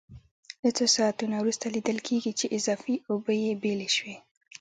له څو ساعتونو وروسته لیدل کېږي چې اضافي اوبه یې بېلې شوې.